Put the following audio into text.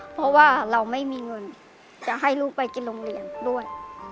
เพราะว่าเราไม่มีเงินจะให้ลูกไปกินโรงเรียนด้วย